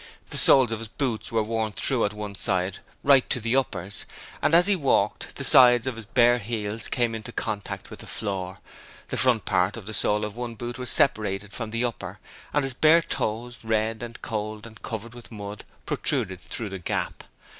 The soles of his boots were worn through at one side right to the uppers, and as he walked the sides of his bare heels came into contact with the floor, the front part of the sole of one boot was separated from the upper, and his bare toes, red with cold and covered with mud, protruded through the gap.